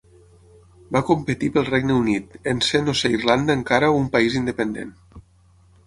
Va competir pel Regne Unit, en ser no ser Irlanda encara un país independent.